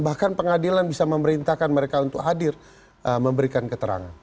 bahkan pengadilan bisa memerintahkan mereka untuk hadir memberikan keterangan